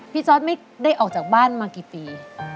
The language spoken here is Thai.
ซอสไม่ได้ออกจากบ้านมากี่ปี